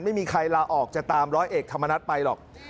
ไม่มีใครลาออกจะตามร้อยเอกธรรมนัฐไปหรอก